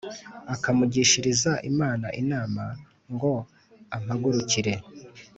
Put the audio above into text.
ukamugishiriza Imana inama ngo ampagurukire